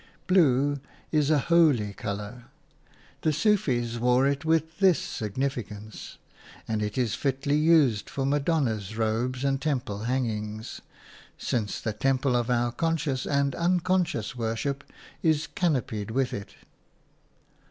Blue is a holy colour; the Sufis wore it with this significance, and it is fitly used for Madonnas' robes and temple hangings, since the temple of our conscious and unconscious worship is canopied with it.